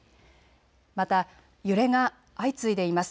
また揺れが相次いでいます。